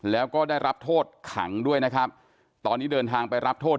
แล้วก็ได้รับโทษขังด้วยนะครับตอนนี้เดินทางไปรับโทษ